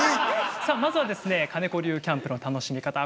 さあまずはですね金子流キャンプの楽しみ方はこちらです。